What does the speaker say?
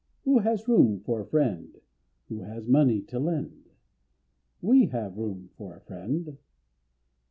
Who has room for a friend Who has money to lend? We have room for a friend!